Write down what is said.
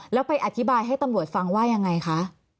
แล้วไปอธิบายให้ตำรวจฟังว่ายังไงคะ